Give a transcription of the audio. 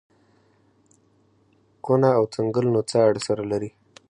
کونه او څنگل نو څه اړه سره لري.